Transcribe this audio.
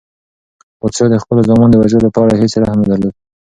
پادشاه د خپلو زامنو د وژلو په اړه هیڅ رحم نه درلود.